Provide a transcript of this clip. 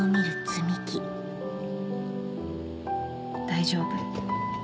大丈夫。